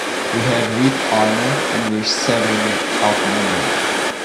We have weak armor and we're severely outnumbered.